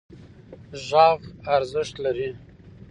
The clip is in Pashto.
غږ ارزښت لري.